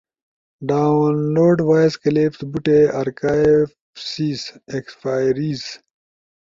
ڈاؤنلوڈ، وائس کلپس بوٹے ارکائیو سیز، ایکسپائیریز